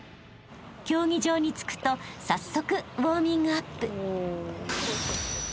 ［競技場に着くと早速ウオーミングアップ］